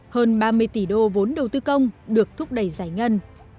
hơn ba mươi tỷ đô vốn đầu tư công được thúc đẩy giải ngân